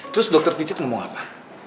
terus dokter cicit ngomong apa